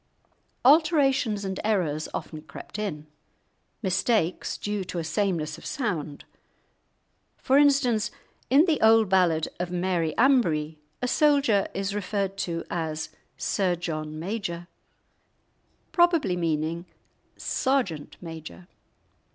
Alterations and errors often crept in; mistakes due to a sameness of sound. For instance, in the old ballad of Mary Ambree, a soldier is referred to as "Sir John Major," probably meaning Sergeant major.